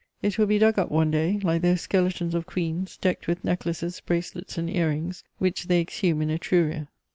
It will be dug up one day, like those skeletons of queens, decked with necklaces, bracelets and ear rings, which they exhume in Etruria.